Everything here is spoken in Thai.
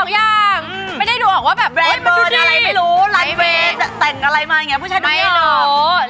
๒อย่างไม่ได้ดูออกว่าแบบแบรนด์เบิร์นอะไรไม่รู้ไลน์เวสแต่งอะไรมาอย่างเงี้ยผู้ชายดูไม่ได้ออก